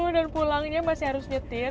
sepuluh dan pulangnya masih harus nyetir